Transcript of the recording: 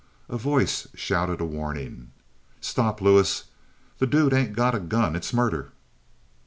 A voice shouted a warning. "Stop, Lewis. The dude ain't got a gun. It's murder!"